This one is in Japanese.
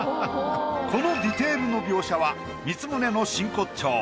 このディテールの描写は光宗の真骨頂。